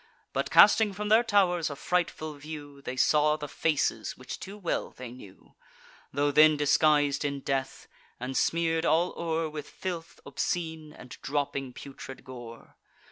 But, casting from their tow'rs a frightful view, They saw the faces, which too well they knew, Tho' then disguis'd in death, and smear'd all o'er With filth obscene, and dropping putrid gore.